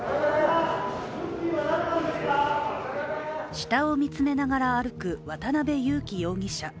下を見つめながら歩く渡辺優樹容疑者。